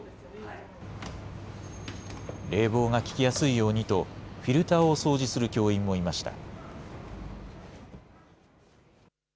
冷房が効きやすいようにと、フィルターを掃除する教員もいました。